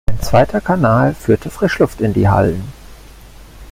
Ein zweiter Kanal führte Frischluft in die Hallen.